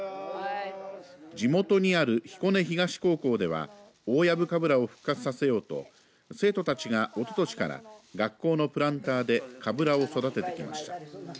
地元にある彦根東高校では大藪かぶらを復活させようと生徒たちがおととしから学校のプランターでカブラを育ててきました。